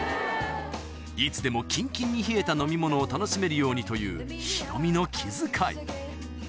いつでもキンキンに冷えた飲み物を楽しめるようにというヒロミの気遣い